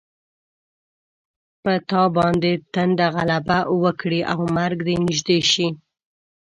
په تا باندې تنده غلبه وکړي او مرګ دې نږدې شي.